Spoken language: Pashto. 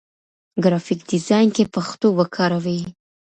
ګرافيک ډيزاين کې پښتو وکاروئ.